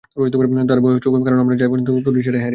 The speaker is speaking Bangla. তাই ভয়ও হচ্ছে কারণ আমার যাই পছন্দ করি সেটা হারিয়ে যায়।